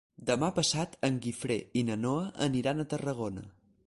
Demà passat en Guifré i na Noa aniran a Tarragona.